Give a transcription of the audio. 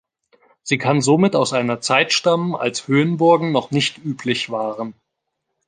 Sie kann somit aus einer Zeit stammen, als Höhenburgen noch nicht üblich waren.